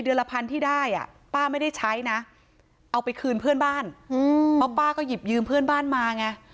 ละพันที่ได้อ่ะป้าไม่ได้ใช้นะเอาไปคืนเพื่อนบ้านเพราะป้าก็หยิบยืมเพื่อนบ้านมาไง